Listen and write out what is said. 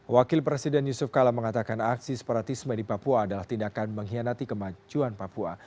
wakil presiden yusuf kala mengatakan aksi separatisme di papua adalah tindakan mengkhianati kemajuan papua